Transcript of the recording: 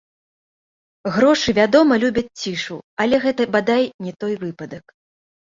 Грошы, вядома, любяць цішу, але гэта, бадай, не той выпадак.